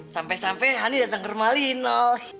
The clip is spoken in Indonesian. sampai sampai hani datang ke rumah lino